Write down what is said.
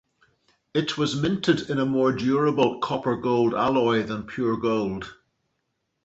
It was minted in a more durable copper-gold alloy than pure gold.